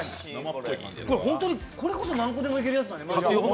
これこそ何個でもいけるね。